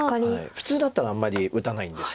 普通だったらあんまり打たないんですけど。